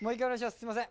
すいません